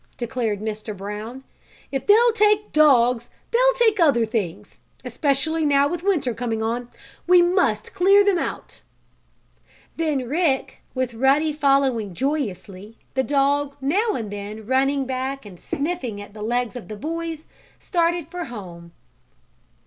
declared Mr. Brown. "If they'll take dogs they'll take other things, especially now with winter coming on. We must clear them out!" Then Rick, with Ruddy following joyously, the dog now and then running back and sniffing at the legs of the boys, started for home.